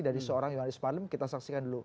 dari seorang johannes marlem kita saksikan dulu